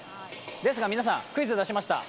ですが皆さん、クイズを出しました